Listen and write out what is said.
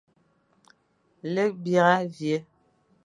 Lekh, bîra, vîe.